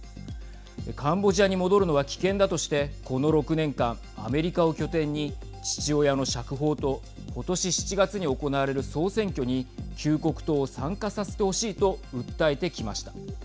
カンボジアに戻るのは危険だとして、この６年間アメリカを拠点に父親の釈放と今年７月に行われる総選挙に救国党を参加させてほしいと訴えてきました。